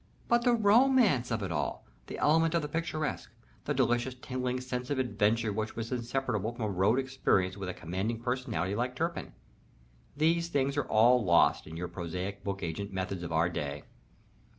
But the romance of it all, the element of the picturesque, the delicious, tingling sense of adventure which was inseparable from a road experience with a commanding personality like Turpin these things are all lost in your prosaic book agent methods of our day.